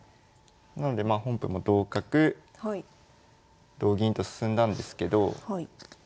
なのでまあ本譜も同角同銀と進んだんですけど。